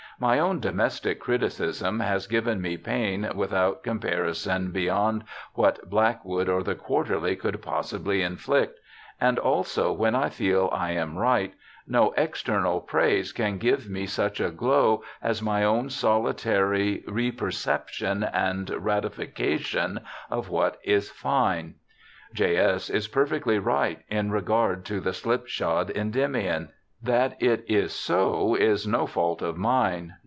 My own domestic criticism has given me pain without comparison beyond what Blackwood or the Quarterly could possibly inflict, — and also when I feel I am right, no external praise can give me such a glow as my own solitary reperception and ratification of what is fine. J. S. is perfectly right in regard to the slipshod Endymion. That it is so is no fault of mine.